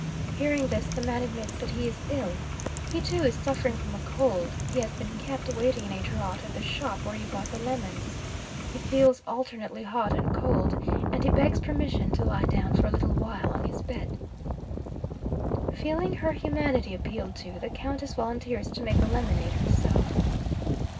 Hearing this, the man admits that he is ill. He, too, is suffering from a cold; he has been kept waiting in a draught at the shop where he bought the lemons; he feels alternately hot and cold, and he begs permission to lie down for a little while on his bed. 'Feeling her humanity appealed to, the Countess volunteers to make the lemonade herself.